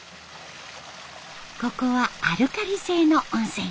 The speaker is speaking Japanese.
ここはアルカリ性の温泉。